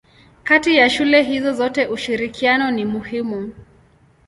Kati ya shule hizo zote ushirikiano ni muhimu.